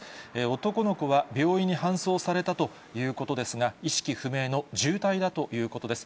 男の子は病院に搬送されたということですが、意識不明の重体だということです。